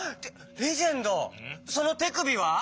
レジェンドそのてくびは！？